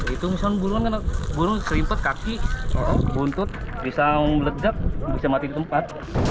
itu misalnya burung kan burung serimpet kaki buntut bisa lezat bisa mati di tempat